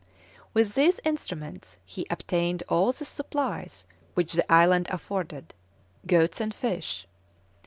With these instruments he obtained all the supplies which the island afforded: goats and fish.